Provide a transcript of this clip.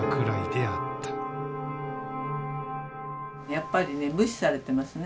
やっぱりね無視されてますね。